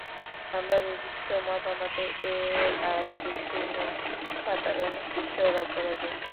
আমার নিজস্ব মতামতে, এ আর কিছুই নয়, সাধারণ কিশোর অপরাধী।